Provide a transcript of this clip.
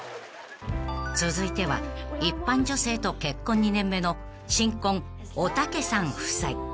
［続いては一般女性と結婚２年目の新婚おたけさん夫妻］